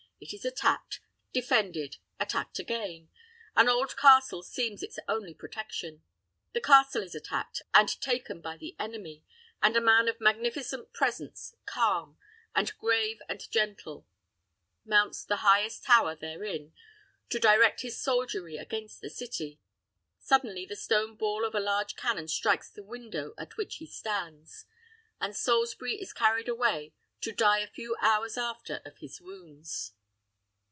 It is attacked, defended, attacked again. An old castle seems its only protection. The castle is attacked, and taken by the enemy; and a man of magnificent presence, calm, and grave, and gentle, mounts the highest tower therein, to direct his soldiery against the city. Suddenly, the stone ball of a large cannon strikes the window at which he stands; and Salisbury is carried away to die a few hours after of his wounds.